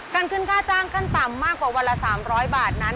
ขึ้นค่าจ้างขั้นต่ำมากกว่าวันละ๓๐๐บาทนั้น